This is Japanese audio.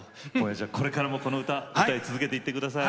これからもこの歌歌い続けていってください。